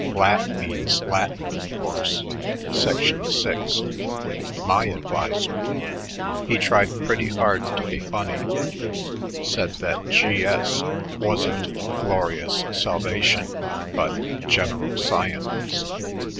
Lat means Latin, of course Section 6. My adviser he tried pretty hard to be funny said that G.S. wasn't glorious salvation but general science.